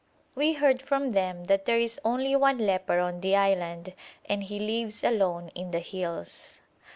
We heard from them that there is only one leper on the island and he lives alone in the hills.